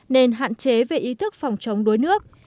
nên hạn chế về ý thức phòng chống đuối nước